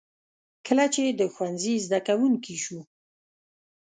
کله چې د ښوونځي زده کوونکی شو.